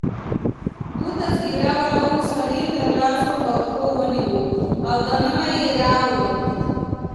دوو تذکره والاو سړی تر لاسو او پښو ونیو او دننه يې راوړ.